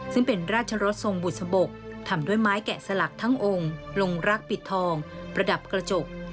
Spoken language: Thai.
ซึ่งเป็นราชรสทรงบุษบกทำด้วยไม้แกะสลักทั้งองค์ลงรักปิดทองประดับกระจก